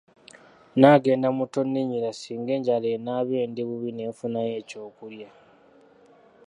Naagenda mu Tonninnyira singa enjala enaaba endi bubi ne nfunayo eky'okulya.